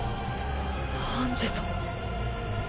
ハンジさん。